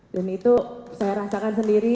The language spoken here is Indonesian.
dan itu saya rasakan sendiri